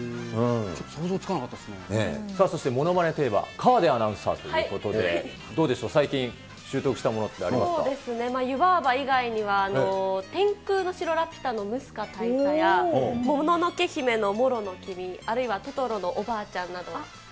ちょっと想像つかなかったでそしてものまねといえば、河出アナウンサーということで、どうでしょう、最近、習得したもそうですね、湯婆婆以外では、天空の城ラピュタのムスカ大佐や、もののけ姫のモロの君、あるいはトトロのおばあちゃんなど。